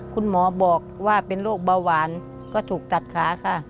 คุณหมอบอกว่าเป็นโรคเบาหวานก็ถูกตัดขาค่ะ